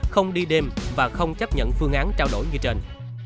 không đi đêm và không chấp nhận phương án trao đổi như trên